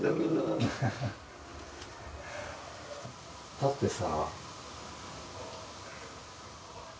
だってさ。